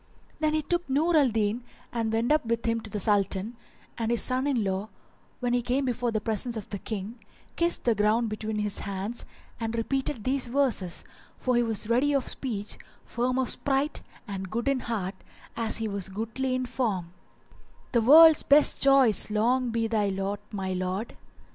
Then he took Nur al Din and went up with him to the Sultan, and his son in law, when he came before the presence of the King, kissed the ground between his hands and repeated these verses, for he was ready of speech, firm of sprite and good in heart as he was goodly in form:— "The world's best joys long be thy lot, my lord!